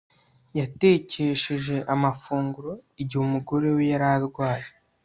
Yatekesheje amafunguro igihe umugore we yari arwaye